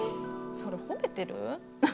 それ褒めてる？